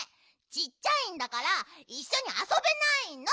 ちっちゃいんだからいっしょにあそべないの！